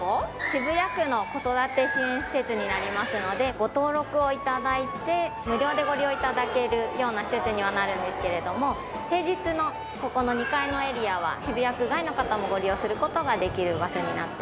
渋谷区の子育て支援施設になりますのでご登録を頂いて無料でご利用頂けるような施設にはなるんですけれども平日のここの２階のエリアは渋谷区外の方もご利用する事ができる場所になっています。